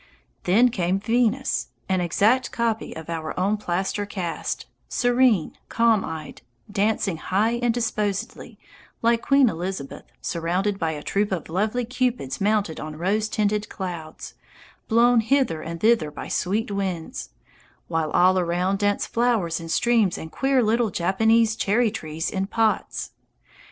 Then came Venus an exact copy of my own plaster cast serene, calm eyed, dancing "high and disposedly" like Queen Elizabeth, surrounded by a troop of lovely Cupids mounted on rose tinted clouds, blown hither and thither by sweet winds, while all around danced flowers and streams and queer little Japanese cherry trees in pots!